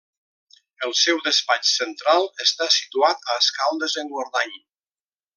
El seu despatx central està situat a Escaldes-Engordany.